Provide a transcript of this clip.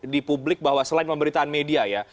di publik bahwa selain pemberitaan media ya